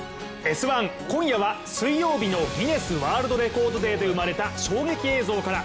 「Ｓ☆１」、今夜は水曜日のギネスワールドレコードデーで生まれた衝撃映像から。